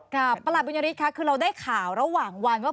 ประหลัดบุญยฤทธค่ะคือเราได้ข่าวระหว่างวันว่า